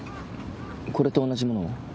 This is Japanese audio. これと同じものを？